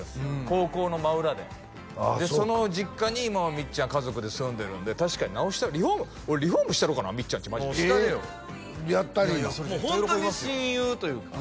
高校の真裏ででその実家に今もみっちゃん家族で住んでるんで確かに直したい俺リフォームしたろうかなみっちゃんちマジでしたれよやったりいやホントに親友というか